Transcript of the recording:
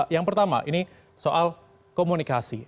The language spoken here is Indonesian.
yang pertama ini soal komunikasi